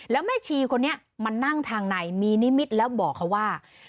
แล้วแม่ชีคนนี้มานั่งทางในมีนิมิตรแล้วบอกเขาว่า